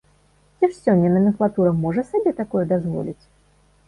Ці ж сёння наменклатура можа сабе такое дазволіць?